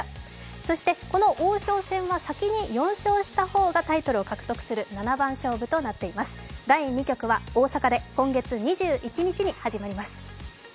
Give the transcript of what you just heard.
そしてこの王将戦は先に４勝した方がタイトルを獲得する七番勝負となっています、第２局は大阪で今月２１日に始まります。